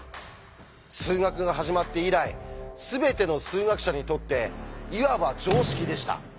数学が始まって以来全ての数学者にとっていわば常識でした。